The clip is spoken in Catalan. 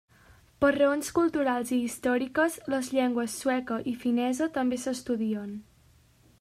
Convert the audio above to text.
Per raons culturals i històriques, les llengües sueca i finesa també s'estudien.